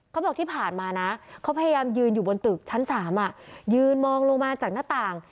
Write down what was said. เขาบอกที่ผ่านมานะเขาพยายามยืนอยู่บนตึกชั้น๓ยืนมองลงมาจากหน้าต่าง